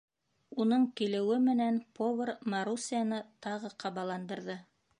Уның килеүе менән повар Марусяны тағы ҡабаландырҙы: